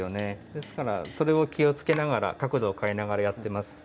ですから、それを気をつけながら角度を変えながらやっています。